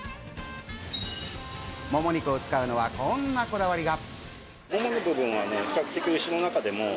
もも肉を使うのはこんなこだわりが。